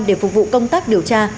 để phục vụ công tác điều tra